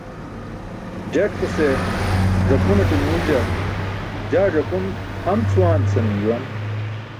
Jatkuse ẓakunate nuuljaan "jaa ẓakun am cʰuwaan" senum juwan.